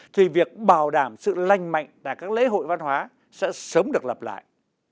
thì việc bảo đảm sự lanh mạnh tại các lễ hội văn hóa sẽ sớm được lập lại